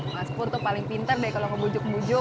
mas pur tuh paling pinter deh kalau ngebujuk bujuk